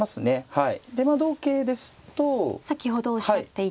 はい。